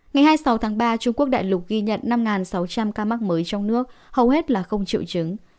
ngày hai mươi sáu tháng ba trung quốc đại lục ghi nhận năm sáu trăm linh ca mắc mới trong nước hầu hết là không triệu chứng